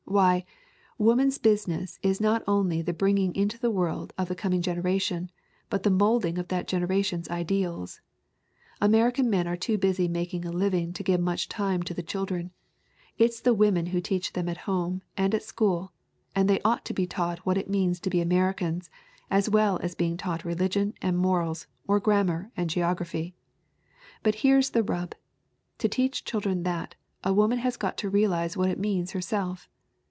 Why, woman's business is not only the bringing into the world of the coming generation, but the molding of that generation's ideals. American men are too busy making a living to give much time to the chil dren it's the women who teach them at home and at school. And they ought to be taught what it means to be Americans as well as being taught religion and morals, or grammar and geography. "But here's the rub! To teach children that, a wom an has got to realize what it means herself.